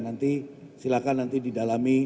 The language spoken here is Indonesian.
nanti silakan nanti didalami